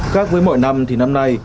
khác với mọi năm thì năm nay